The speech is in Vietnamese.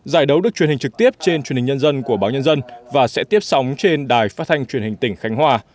giải đấu được truyền hình trực tiếp trên truyền hình nhân dân của báo nhân dân và sẽ tiếp sóng trên đài phát thanh truyền hình tỉnh khánh hòa